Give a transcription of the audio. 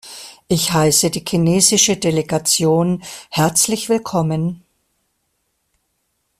Ich heiße die chinesische Delegation herzlich willkommen.